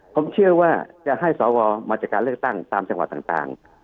ผมเชื่อว่าจะให้สวมาจากการเลือกตั้งตามจังหวัดต่าง